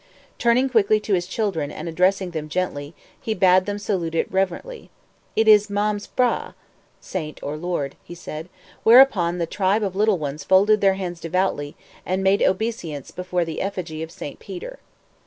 Turning quickly to his children, and addressing them gently, he bade them salute it reverently. "It is Mam's P'hra," [Footnote: Saint, or Lord.] he said; whereupon the tribe of little ones folded their hands devoutly, and made obeisance before the effigy of Saint Peter.